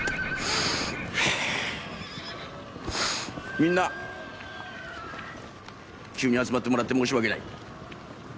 みんな急に集まってもらって申し訳ない。